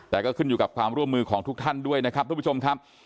แต่ก็ขึ้นอยู่กับความร่วมมือของทุกท่านด้วยนะครับทุกผู้ชมครับ